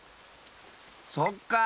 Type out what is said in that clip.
そっかあ。